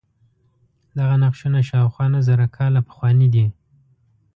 دغه نقشونه شاوخوا نهه زره کاله پخواني دي.